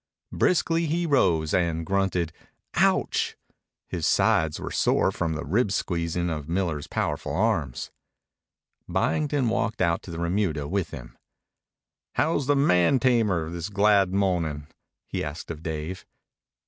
Briskly he rose, and grunted "Ouch!" His sides were sore from the rib squeezing of Miller's powerful arms. Byington walked out to the remuda with him. "How's the man tamer this glad mo'nin'?" he asked of Dave.